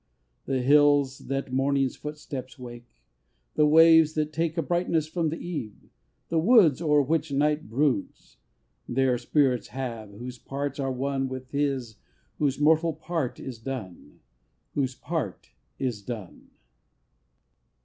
IV. The hills that Morning's footsteps wake; The waves that take A brightness from the Eve; the woods O'er which Night broods, Their spirits have, whose parts are one With his whose mortal part is done. Whose part is done!